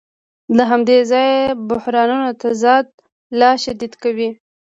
له همدې ځایه بحرانونه تضاد لا شدید کوي